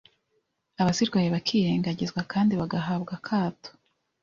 abazirwaye bakirengagizwa kandi bagahabwa akato